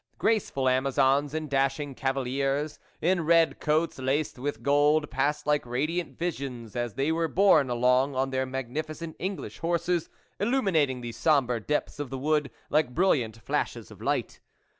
Graceful amazons and dashing cavaliers, in red coats laced with gold, passed like radiant visions, as they were borne along on their magnificent English horses, illuminating the sombre depths of the wood like brilliant flashes of light.